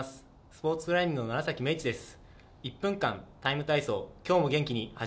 スポーツクライミングの楢崎明智です。